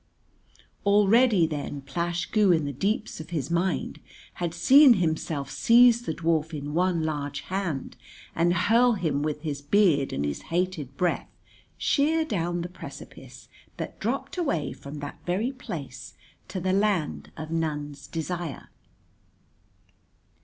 Already then Plash Goo in the deeps of his mind had seen himself seize the dwarf in one large hand and hurl him with his beard and his hated breadth sheer down the precipice that dropped away from that very place to the land of None's Desire.